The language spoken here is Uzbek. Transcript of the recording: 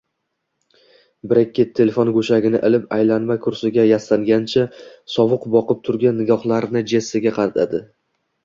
Brekket telefon go`shagini ilib, aylanma kursiga yastangancha, sovuq boqib turgan nigohlarini Jessiga qadadi